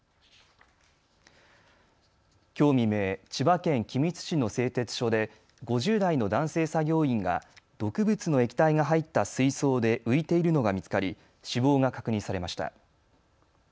きょう未明、千葉県君津市の製鉄所で５０代の男性作業員が毒物の液体が入った水槽で浮いているのが見つかり死亡が確認されました。